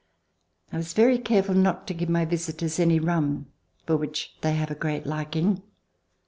I was very careful not to give my visitors any rum, for which they have a great liking.